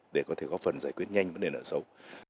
để có thể góp phần giải quyết nhanh vấn đề nợ xấu